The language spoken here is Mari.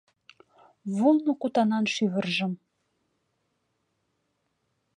Вулно кутанан шӱвыржым